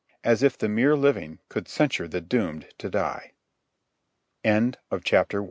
As if the mere living could censure the doomed to die! CHAPTER II.